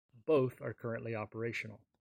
Both are currently operational.